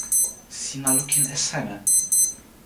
sina lukin e seme?